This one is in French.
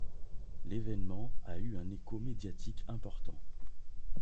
L'événement a eu un écho médiatique important.